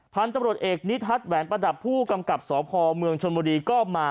พันธุ์ตำรวจเอกนิทัศน์แหวนประดับผู้กำกับสพเมืองชนบุรีก็มา